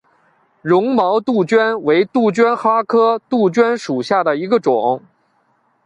绒毛杜鹃为杜鹃花科杜鹃属下的一个种。